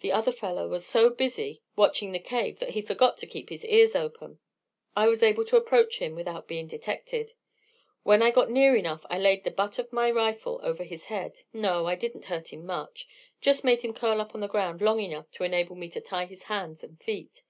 The other fellow was so busy watching the cave that he forgot to keep his ears open. I was able to approach him without being detected. When I got near enough I laid the butt of my rifle over his head. No, I didn't hurt him much. Just made him curl up on the ground long enough to enable me to tie his hands and feet.